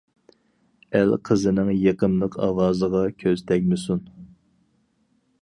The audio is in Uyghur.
ئەل قىزىنىڭ يېقىملىق ئاۋازىغا كۆز تەگمىسۇن!